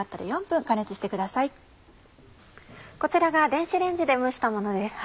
こちらが電子レンジで蒸したものです。